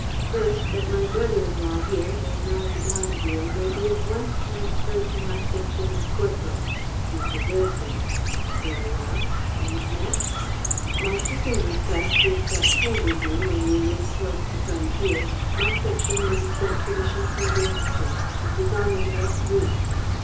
"First, that my brother in law here, Bernard d'Andeville, may be at once transferred to my section as corporal. He's deserved it." "Very well. And next?" "My second request is that presently, when we move towards the frontier, my section may be sent to the Château d'Ornequin, which is on the direct route."